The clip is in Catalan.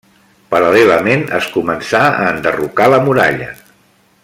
Paral·lelament, es començà a enderrocar la muralla.